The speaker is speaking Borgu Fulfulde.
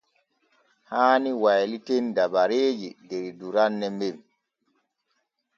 Haani wayliten dabareeji der duranne men.